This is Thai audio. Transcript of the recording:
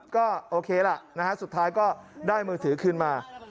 ก็โอเคล่ะสุดท้ายก็ได้มือถือขึ้นมา